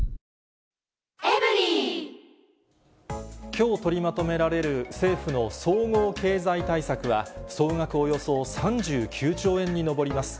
きょう取りまとめられる、政府の総合経済対策は、総額およそ３９兆円に上ります。